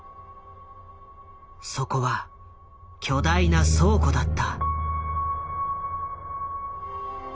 そこは巨大な倉庫だった。